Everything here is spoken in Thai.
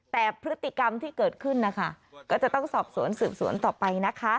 แต่พฤติกรรมที่เกิดขึ้นนะคะก็จะต้องสอบสวนสืบสวนต่อไปนะคะ